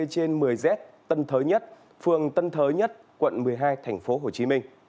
một mươi trên một mươi z tân thới nhất phường tân thới nhất quận một mươi hai tp hcm